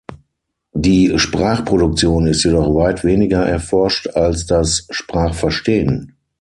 Die Sprachproduktion ist jedoch weit weniger erforscht als das Sprachverstehen.